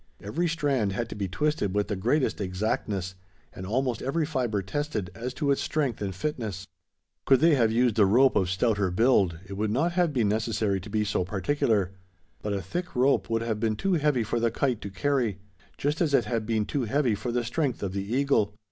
Every strand had to be twisted with the greatest exactness; and almost every fibre tested, as to its strength and fitness. Could they have used a rope of stouter build, it would not have been necessary to be so particular; but a thick rope would have been too heavy for the kite to carry just as it had been too heavy for the strength of the eagle.